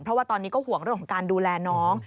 เพราะว่าตอนนี้ก็ห่วงเรื่องของการดูแลน้อง